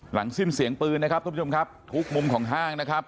สิ้นเสียงปืนนะครับทุกผู้ชมครับทุกมุมของห้างนะครับ